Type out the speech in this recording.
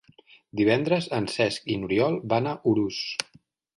Divendres en Cesc i n'Oriol van a Urús.